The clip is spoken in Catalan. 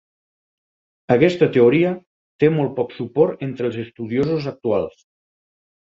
Aquesta teoria té molt poc suport entre els estudiosos actuals.